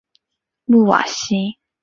穆瓦西。